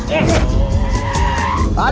ada keadaanmu lewat